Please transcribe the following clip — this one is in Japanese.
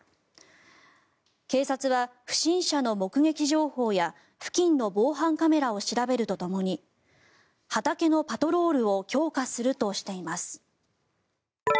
警察は、不審者の目撃情報や付近の防犯カメラを調べるとともに畑のパトロールを強化するとしています。